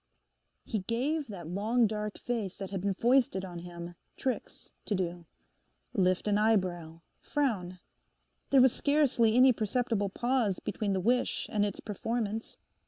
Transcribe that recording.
He gave that long, dark face that had been foisted on him tricks to do—lift an eyebrow, frown. There was scarcely any perceptible pause between the wish and its performance.